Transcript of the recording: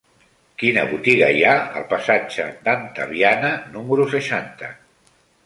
Quina botiga hi ha al passatge d'Antaviana número seixanta?